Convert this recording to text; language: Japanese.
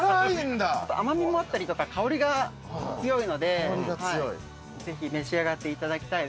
甘味もあったりとか香りが強いのでぜひ召し上がっていただきたいです。